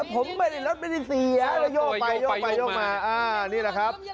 ผมไม่ได้เสียย่อไปย่อมานี่แหละครับ